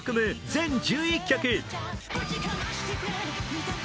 全１１曲。